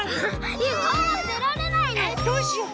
えっどうしよう。